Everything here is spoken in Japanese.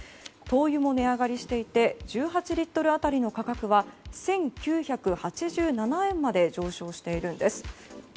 灯油も値上がりしていて１８リットル当たりの価格は１９８７円まで上昇しているんです。